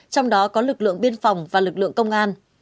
trong đó có lực lượng biên phòng và lực lượng công an